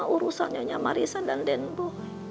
urusan nyonya marissa dan denbu